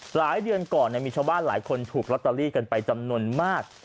หลายเดือนก่อนมีชาวบ้านหลายคนถูกลอตเตอรี่กันไปจำนวนมาก